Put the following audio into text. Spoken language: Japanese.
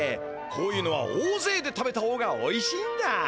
こういうのはおおぜいで食べた方がおいしいんだ！